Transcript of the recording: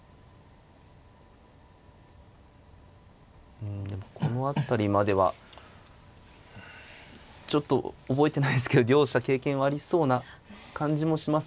うんこの辺りまではちょっと覚えてないですけど両者経験はありそうな感じもしますね。